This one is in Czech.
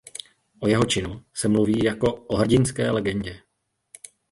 O jeho činu se mluví jako o "hrdinské legendě".